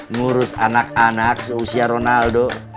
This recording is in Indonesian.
ngurus anak anak seusia ronaldo